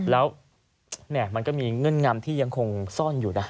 แล้วมันก็มีเงื่อนงำที่ยังคงซ่อนอยู่นะ